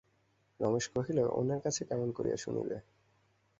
রমেশ কহিল, অন্যের কাছে কেমন করিয়া শুনিবে?